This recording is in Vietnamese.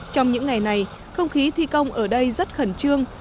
trong những ngày này không khí thi công ở đây rất khẩn trương